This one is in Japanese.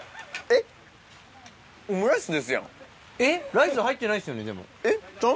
えっライス入ってないですよねでも。